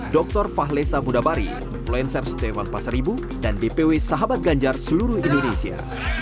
dr fahlesa mudabari influencer stevan pasaribu dan dpw sahabat ganjar seluruh indonesia